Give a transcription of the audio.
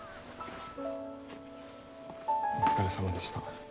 お疲れさまでした。